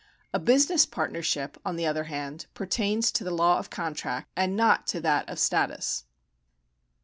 A business partnership, on the other hand, pertains to the law of contract, and not to that of status.